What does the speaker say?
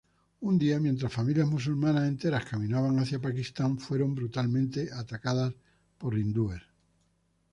Un día, mientras familias musulmanas enteras caminaban hacia Pakistán, fueron brutalmente atacadas por hindúes.